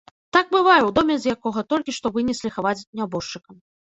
Так бывае ў доме, з якога толькі што вынеслі хаваць нябожчыка.